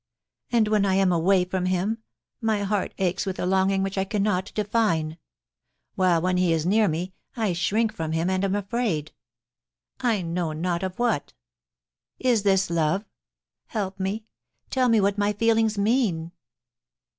And when I am away from him, my heart aches with a longing which I cannot define ; while when he is near me, I shrink from him and am afraid. I know not of what Is this love ?— help me — tell me what my feelings mean.'